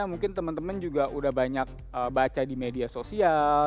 mungkin teman teman juga udah banyak baca di media sosial